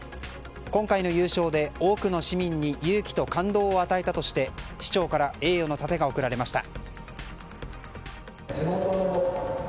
今回の優勝で多くの市民に勇気と感動を与えたとして市長から栄誉の楯が贈られました。